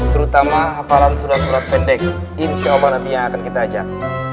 terutama hafalan surat surat pendek insya allah nanti yang akan kita ajak